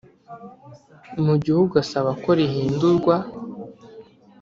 mu Gihugu asaba ko rihindurwa